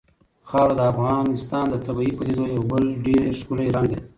خاوره د افغانستان د طبیعي پدیدو یو بل ډېر ښکلی رنګ دی.